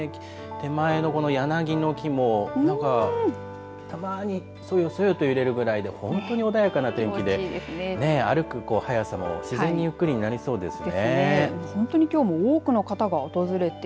手前のこの柳の木もなんかたまにそよそよと揺れるぐらいで本当に穏やかな天気で歩く速さも自然にゆっくりになりそうですね。